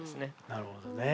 なるほどね。